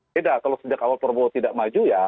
tidak kalau sejak awal pak prabowo tidak maju ya